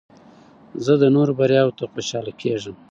زه د نورو بریاوو ته خوشحاله کېږم.